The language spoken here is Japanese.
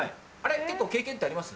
結構経験ってあります？